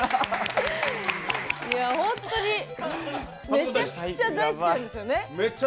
めちゃくちゃ大好きなんですよね。